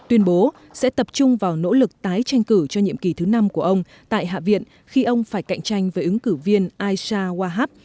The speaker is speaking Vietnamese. tuyên bố sẽ tập trung vào nỗ lực tái tranh cử cho nhiệm kỳ thứ năm của ông tại hạ viện khi ông phải cạnh tranh với ứng cử viên ishab